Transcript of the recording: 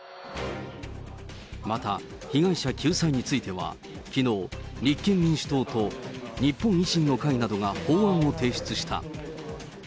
また、被害者救済についてはきのう、立憲民主党と日本維新の会などが法案を提出した。